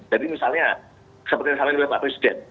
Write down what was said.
jadi misalnya seperti yang saya bilang sama pak presiden